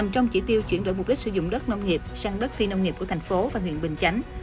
trong chỉ tiêu chuyển đổi mục đích sử dụng đất nông nghiệp sang đất phi nông nghiệp của tp và huyện bình chánh